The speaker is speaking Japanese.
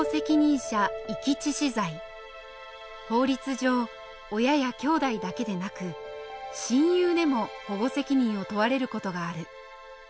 法律上親や兄弟だけでなく親友でも保護責任を問われる事がある。